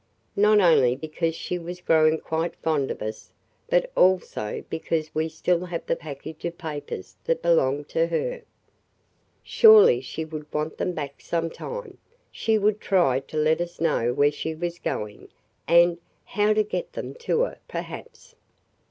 Not only because she was growing quite fond of us but also because we still have the package of papers that belong to her. Surely she would want them back some time. She would try to let us know where she was going and – how to get them to her, perhaps!"